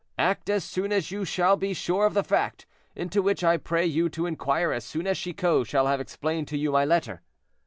Act as soon as you shall be sure of the fact, into which I pray you to inquire as soon as Chicot shall have explained to you my letter.